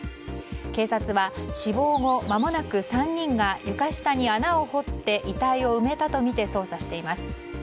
警察は死亡後まもなく３人が床下に穴を掘って遺体を埋めたとみて捜査しています。